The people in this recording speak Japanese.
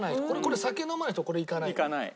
酒飲まない人これいかない。